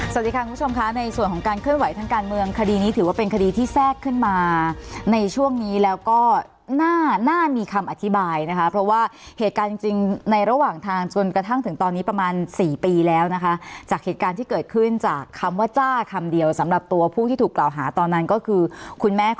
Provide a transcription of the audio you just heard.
สวัสดีค่ะคุณผู้ชมค่ะในส่วนของการเคลื่อนไหวทางการเมืองคดีนี้ถือว่าเป็นคดีที่แทรกขึ้นมาในช่วงนี้แล้วก็น่ามีคำอธิบายนะคะเพราะว่าเหตุการณ์จริงในระหว่างทางจนกระทั่งถึงตอนนี้ประมาณสี่ปีแล้วนะคะจากเหตุการณ์ที่เกิดขึ้นจากคำว่าจ้าคำเดียวสำหรับตัวผู้ที่ถูกกล่าวหาตอนนั้นก็คือคุณแม่